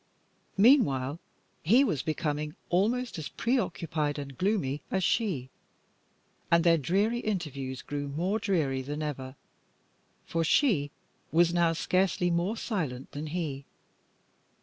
Meanwhile he was becoming almost as preoccupied and gloomy as she, and their dreary interviews grew more dreary than ever, for she was now scarcely more silent than he.